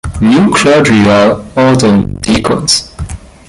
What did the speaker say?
New clergy are ordained deacons.